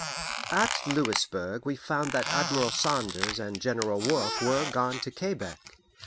At Louisburg we found that Admiral Saunders and General Wolfe were gone to Quebec.